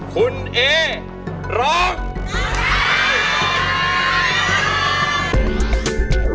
คุณเอร้อง